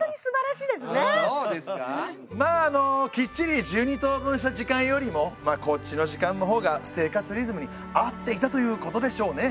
まああのきっちり１２等分した時間よりもこっちの時間のほうが生活リズムに合っていたということでしょうね。